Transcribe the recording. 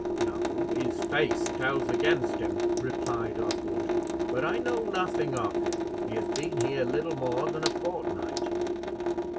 "No; his face tells against him," replied Oswald; "but I know nothing of him; he has been here little more than a fortnight."